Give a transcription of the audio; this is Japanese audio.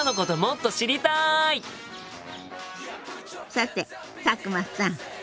さて佐久間さん